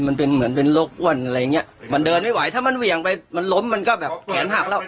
มันเป็นเหมือนเป็นโรคอ้วนอะไรอย่างเงี้ยมันเดินไม่ไหวถ้ามันเหวี่ยงไปมันล้มมันก็แบบแขนหักแล้ว